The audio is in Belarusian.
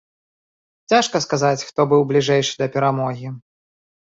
Цяжка сказаць, хто быў бліжэйшы да перамогі.